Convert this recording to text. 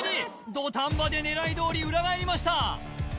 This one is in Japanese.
土壇場で狙いどおり裏返りました